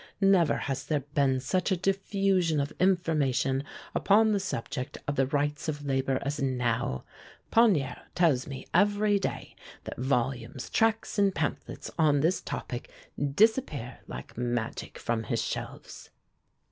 Never has there been such a diffusion of information upon the subject of the rights of labor as now. Pagnerre tells me every day that volumes, tracts and pamphlets on this topic disappear like magic from his shelves."